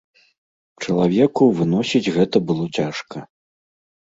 Чалавеку выносіць гэта было цяжка.